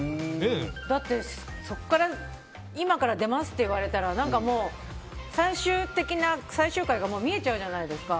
だって今から出ますっていわれたら最終回が見えちゃうじゃないですか。